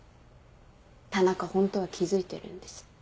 田中ホントは気付いてるんです。